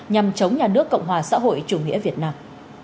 nhằm chống nhà nước cộng hòa xã hội chủ nghĩa việt nam